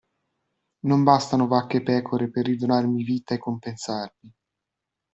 Non bastano vacche e pecore per ridonarmi vita e compensarmi!